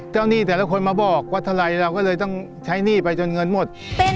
หนี้แต่ละคนมาบอกว่าเท่าไรเราก็เลยต้องใช้หนี้ไปจนเงินหมด